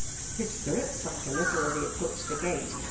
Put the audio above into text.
His spirits sank a little as he approached the gate.